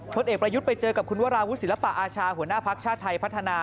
ผลเอกประยุทธ์ไปเจอกับคุณวราวุศิลปะอาชาหัวหน้าภักดิ์ชาติไทยพัฒนา